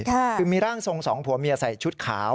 คือมีร่างทรงสองผัวเมียใส่ชุดขาว